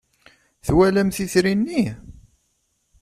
Twalamt itri-nni?